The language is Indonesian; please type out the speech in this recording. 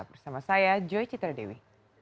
bersama saya joy citaradewi